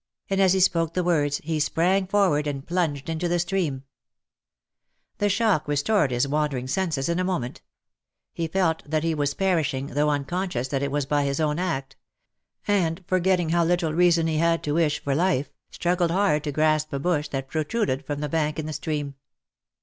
and as he spoke the words, he sprang forward, and plunged into the stream ! The shock restored his wandering senses in a moment ; he felt that he was perishing, though unconscious that it was by his own act ; and forgetting how little reason he had to wish for life, struggled hard to grasp a bush that protruded from the bank into the stream.